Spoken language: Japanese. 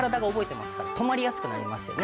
止まりやすくなりますよね。